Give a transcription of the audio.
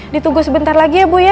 ditunggu sebentar lagi ya bu ya